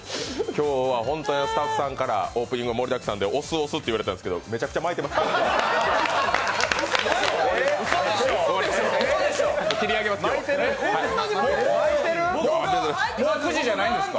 今日は本当にスタッフさんから、オープニング押す押すって言われたんですけどめちゃくちゃまいてます。